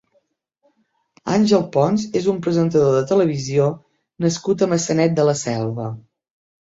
Àngel Pons és un presentador de televisió nascut a Maçanet de la Selva.